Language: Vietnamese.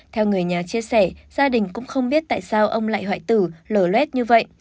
theo người nhà chia sẻ gia đình cũng không biết tại sao ông lại hoại tử lở lét như vậy